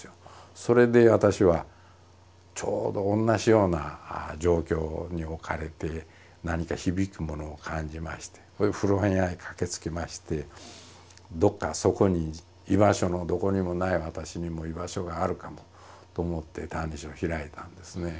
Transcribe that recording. それで私はちょうど同じような状況に置かれて何か響くものを感じまして古本屋へ駆けつけましてどっかそこに居場所のどこにもない私にも居場所があるかもと思って「歎異抄」を開いたんですね。